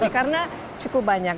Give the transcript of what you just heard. karena cukup banyak